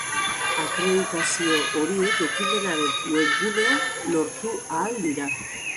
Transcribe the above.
Akreditazio horiek ekimenaren webgunean lortu ahal dira.